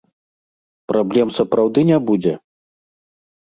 Праблем сапраўды не будзе?